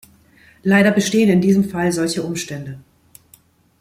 Leider bestehen in diesem Fall solche Umstände.